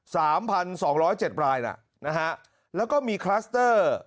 สามพันสองร้อยเจ็ดรายน่ะนะฮะแล้วก็มีคลัสเตอร์